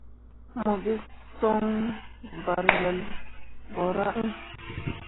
Mo gi soŋ bargelle ɓorah iŋ.